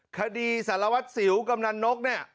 คดีสารวัตรสิวกำนันนกเนี่ย